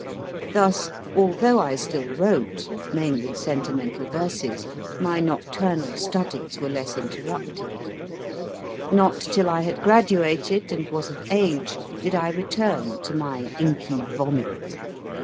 Thus, although I still wrote mainly sentimental verses my nocturnal studies were less interrupted. Not till I had graduated, and was of age, did I return to my inky vomit.